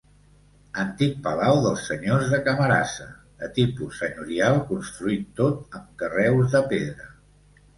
Antic palau dels senyors de Camarasa, de tipus senyorial construït tot amb carreus de pedra.